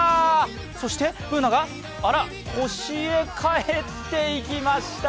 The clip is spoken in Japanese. そして、Ｂｏｏｎａがあら、星へ帰って行きました。